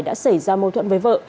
đã xảy ra mâu thuẫn với vợ